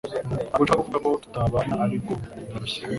Ntabwo nshaka kuvuga ko tutabana ariko ndarushye